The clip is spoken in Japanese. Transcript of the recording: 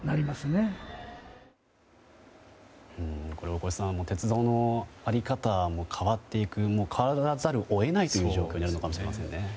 大越さん、鉄道の在り方も変わっていく変わらざるを得ないという状況にあるのかもしれませんね。